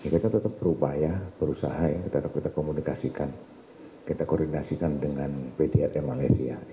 kita tetap berupaya berusaha ya kita tetap komunikasikan kita koordinasikan dengan pdrm malaysia